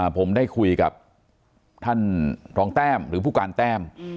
ผมได้คุยกับท่านรองแต้มหรือผู้การแต้ม